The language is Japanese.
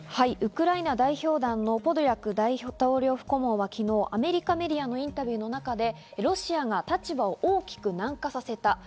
ウクライナ代表団のポドリャク大統領府顧問は昨日、アメリカメディアのインタビューの中でロシアが立場を大きく軟化させた。